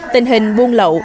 tình hình buôn lậu